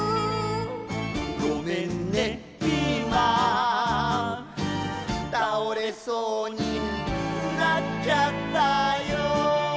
「ごめんねピーマン」「倒れそうになっちゃったよ」